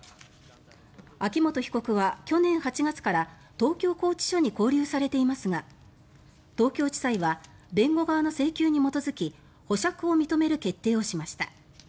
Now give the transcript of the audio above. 秋元被告は去年８月から東京拘置所に勾留されていますが東京地裁は弁護側の請求に基づく保釈を認める決定をしました。